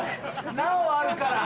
なおあるから！